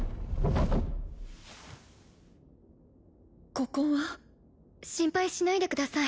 ここは心配しないでください